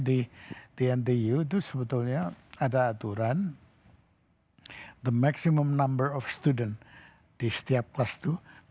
di dtu itu sebetulnya ada aturan the maximum number of student di setiap kelas itu